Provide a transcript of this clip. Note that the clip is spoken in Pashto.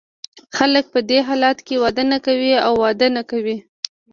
خلګ په دې حالت کې واده نه کوي او واده نه کوي.